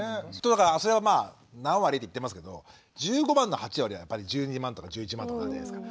それはまあ何割って言ってますけど１５万円の８割は１２万とか１１万とかじゃないですか。